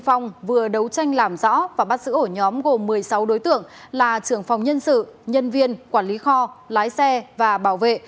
phong vừa đấu tranh làm rõ và bắt giữ ổ nhóm gồm một mươi sáu đối tượng là trưởng phòng nhân sự nhân viên quản lý kho lái xe và bảo vệ